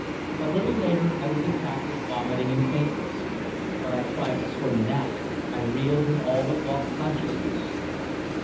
A little later I was attacked with vomiting and faintness. When I tried to swing an axe, I reeled and all but lost consciousness.